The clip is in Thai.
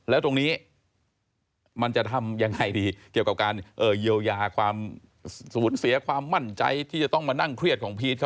แล้วตรงนี้มันจะทำยังไงดีเกี่ยวกับการเยียวยาความสูญเสียความมั่นใจที่จะต้องมานั่งเครียดของพีชเขา